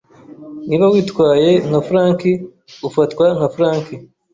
Niba witwaye nka flunkey, ufatwa nka flunkey.